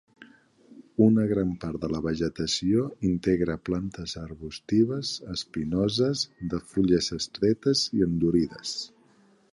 Una gran part de la vegetació integra plantes arbustives, espinoses, de fulles estretes i endurides.